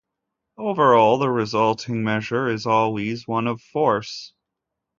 Overall, the resulting measure is always one of force.